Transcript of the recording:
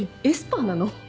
エスパーなの？